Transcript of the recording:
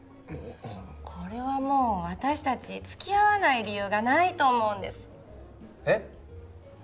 はあこれはもう私達つきあわない理由がないと思うんですえっ？